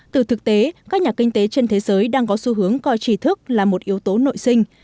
từ thực tế các nhà kinh tế trên thế giới đang có xu hướng coi trí thức là một yếu tố nội sinh